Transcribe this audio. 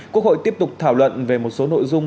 quốc hội tiếp tục thảo luận về một số nội dung